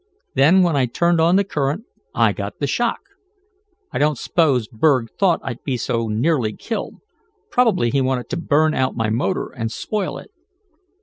Then when I turned on the current I got the shock. I don't s'pose Berg thought I'd be so nearly killed. Probably he wanted to burn out my motor, and spoil it.